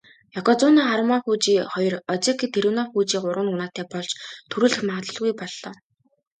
Ёкозүна Харүмафүжи хоёр, озеки Тэрүнофүжи гурван унаатай болж түрүүлэх магадлалгүй боллоо.